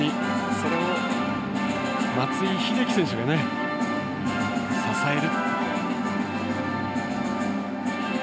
それを松井秀喜選手が支える。